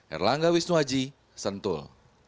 erlangga wisnuaji sentul